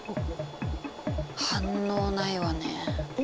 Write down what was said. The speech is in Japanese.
反応ないわね。